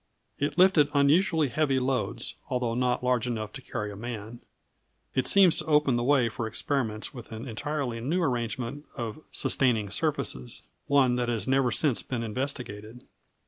It lifted unusually heavy loads, although not large enough to carry a man. It seems to open the way for experiments with an entirely new arrangement of sustaining surfaces one that has never since been investigated.